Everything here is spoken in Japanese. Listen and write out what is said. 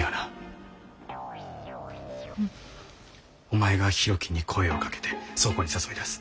お前が博喜に声をかけて倉庫に誘い出す。